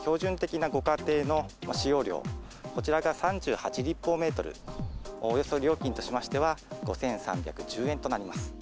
標準的なご家庭の使用量、こちらが３８立方メートル、およそ、料金としましては、５３１０円となります。